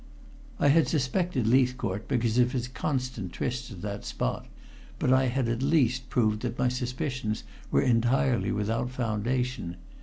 I had suspected Leithcourt because of his constant trysts at that spot, but I had at least proved that my suspicions were entirely without foundation.